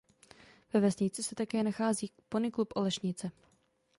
Ve vesnici se také nachází Pony Klub Olešnice.